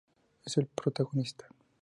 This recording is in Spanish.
Es el protagonista.